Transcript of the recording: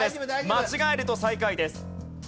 間違えると最下位です。